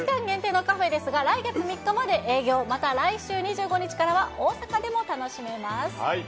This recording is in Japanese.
この期間限定のカフェですが、来月３日まで営業、また来週２５日からは大阪でも楽しめます。